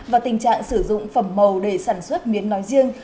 và tình trạng sử dụng phẩm màu để sản xuất miếng nói riêng